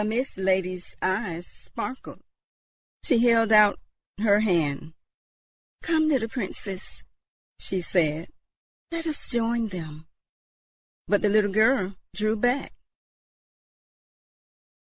The Mist Lady's eyes sparkled; she held out her hand; "Come, little Princess," she said, "let us join them." But the little girl drew back.